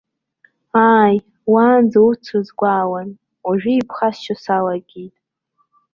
Ааи, уаанӡа урҭ срызгәаауан, уажәы иԥхасшьо салагеит.